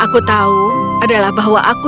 aku tahu adalah bahwa aku